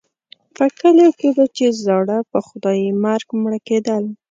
په کلیو کې به چې زاړه په خدایي مرګ مړه کېدل.